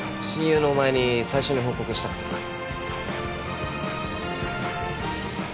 親友のお前に最初に報告したくてさ。